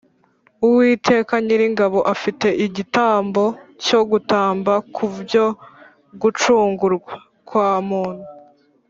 Uwiteka Nyiringabo afite igitambo cyo gutamba kubwo gucungurwa kwa muntu